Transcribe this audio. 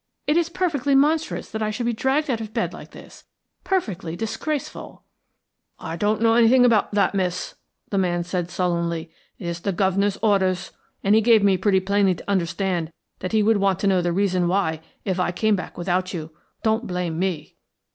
It is perfectly monstrous that I should be dragged out of bed like this; perfectly disgraceful!" "I don't know anything about that, miss," the man said sullenly. "It is the guv'nor's orders, and he gave me pretty plainly to understand that he would want to know the reason why if I came back without you. Don't blame me."